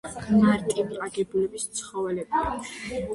მარტივი აგებულების ცხოველებია.